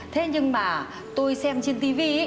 thế nhưng mà tôi xem trên tv